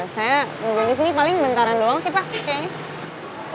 saya nungguin disini paling bentaran doang sih pak kayaknya